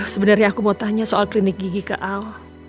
sebenarnya aku mau tanya soal klinik gigi ke al